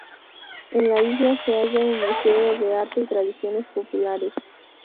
En la isla se halla un museo de arte y tradiciones populares.